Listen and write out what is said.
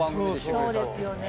そうですよね。